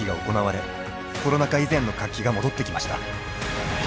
以前の活気が戻ってきました。